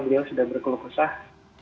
beliau sudah berkeluk usah